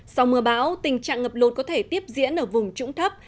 sau mưa bão tình trạng ngập lụt có thể tiếp diễn ở vùng trũng thấp